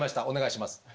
お願いします。